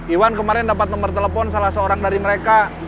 iwan kemarin dapat nomor telepon salah seorang dari mereka